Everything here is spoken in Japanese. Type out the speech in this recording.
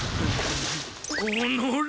おのれ！